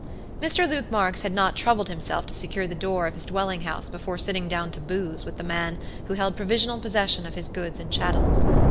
Mr. Luke Marks had not troubled himself to secure the door of his dwelling house before sitting down to booze with the man who held provisional possession of his goods and chattels.